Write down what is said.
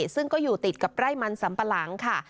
ซึ่งก็อยู่ติดกับไร่มันสัมปะหลังค่ะ